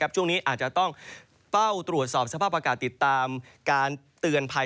ช่วงนี้อาจจะต้องเฝ้าตรวจสอบสภาพอากาศติดตามการเตือนภัย